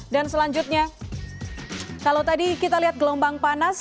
dan selanjutnya kalau tadi kita lihat gelombang panas